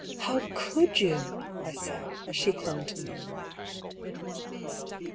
" How could you ?*' I said, as she clung to me.